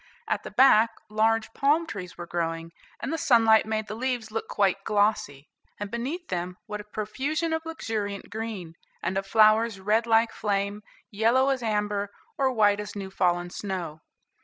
At the back, large palm trees were growing; and the sunlight made the leaves look quite glossy; and beneath them what a profusion of luxuriant green, and of flowers red like flame, yellow as amber, or white as new fallen snow!